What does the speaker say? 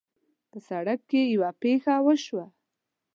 په سړک کې یوه پېښه وشوه